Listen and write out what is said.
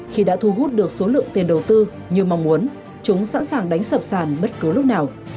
khi đã thu hút được số lượng tiền đầu tư như mong muốn chúng sẵn sàng đánh sập sàn bất cứ lúc nào